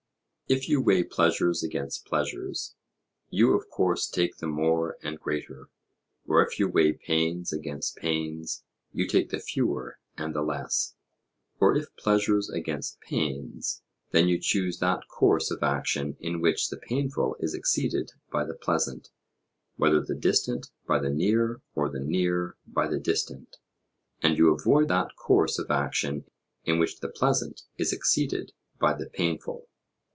If you weigh pleasures against pleasures, you of course take the more and greater; or if you weigh pains against pains, you take the fewer and the less; or if pleasures against pains, then you choose that course of action in which the painful is exceeded by the pleasant, whether the distant by the near or the near by the distant; and you avoid that course of action in which the pleasant is exceeded by the painful.